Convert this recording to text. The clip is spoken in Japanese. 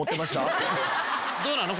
どうなの？